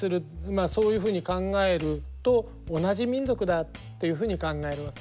まあそういうふうに考えると同じ民族だっていうふうに考えるわけです。